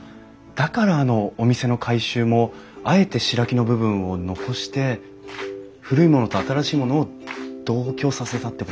だからあのお店の改修もあえて白木の部分を残して古いものと新しいものを同居させたってこと。